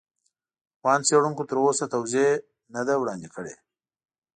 افغان څېړونکو تر اوسه توضیح نه دي وړاندې کړي.